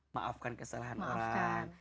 maafkan kesalahan orang